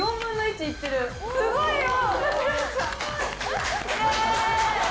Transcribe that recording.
すごいよ！